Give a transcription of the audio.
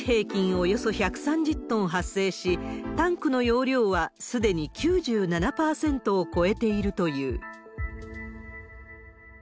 およそ１３０トン発生し、タンクの容量はすでに９７％を超えているという。